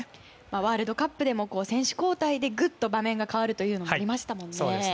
ワールドカップでも選手交代で、グッと場面が変わるのも見ましたもんね。